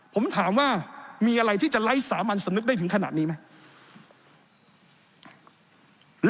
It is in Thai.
ผมถามว่ามีอะไรที่จะไร้สามัญสำนึกได้ถึงขนาดนี้ไหม